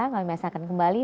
pemirsa akan kembali